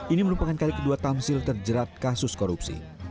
ini merupakan kali kedua tamsil terjerat kasus korupsi